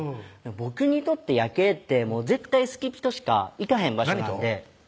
僕にとって夜景って絶対好きピとしか行かへん何と？